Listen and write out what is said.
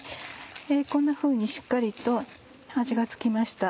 こんなふうにしっかりと味が付きました。